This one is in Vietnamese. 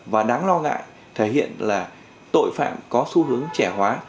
và đáng lo ngại thể hiện là tội phạm có xu hướng trẻ hóa